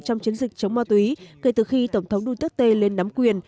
trong chiến dịch chống ma túy kể từ khi tổng thống duterte lên nắm quyền